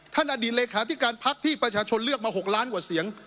ท่านอดีตเรขาพักที่ประชาชนเลือกมา๖ล้านกว่าเสียง